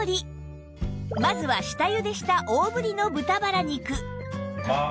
まずは下ゆでした大ぶりの豚バラ肉